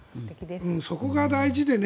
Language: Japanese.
そこが大事でね。